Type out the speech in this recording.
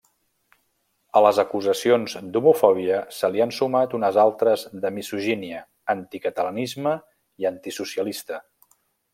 A les acusacions d'homofòbia se li han sumat unes altres de misogínia, anticatalanisme i antisocialista.